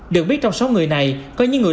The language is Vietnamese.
được biết trong sáu người này có những người